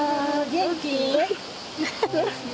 元気。